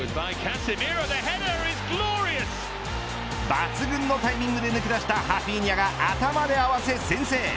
抜群のタイミングで抜け出したハフィーニャが頭で合わせ先制。